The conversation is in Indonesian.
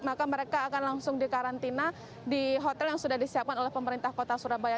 maka mereka akan langsung dikarantina di hotel yang sudah disiapkan oleh pemerintah kota surabaya